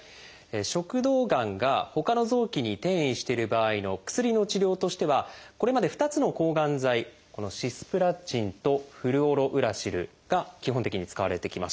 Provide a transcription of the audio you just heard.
食道がんがほかの臓器に転移してる場合の薬の治療としてはこれまで２つの抗がん剤このシスプラチンとフルオロウラシルが基本的に使われてきました。